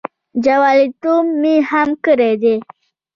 جوالیتوب مې هم کړی دی.